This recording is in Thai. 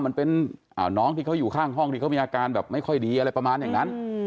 มันเป็นน้องที่เขาอยู่ข้างห้องที่เขามีอาการแบบไม่ค่อยดีอะไรประมาณอย่างนั้น